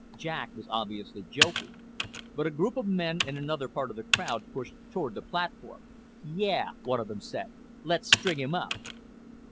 Jack was obviously joking, but a group of men in another part of the crowd pushed toward the platform. "Yeah," one of them said, "let's string him up."